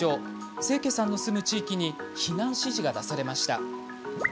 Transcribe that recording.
清家さんの住む地域に避難指示が出されました。